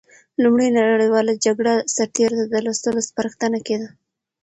لومړۍ نړیواله جګړه سرتېرو ته د لوستلو سپارښتنه کېده.